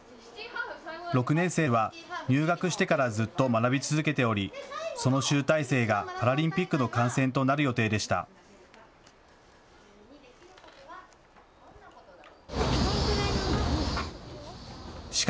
６年生は入学してからずっと学び続けており、その集大成がパラリンピックの観戦となる予定でした。